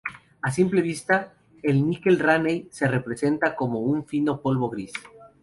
A simple vista, el níquel Raney se presenta como un fino polvo gris.